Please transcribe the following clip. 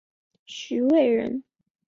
徐渭人。